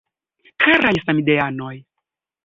Karaj Samideanoj!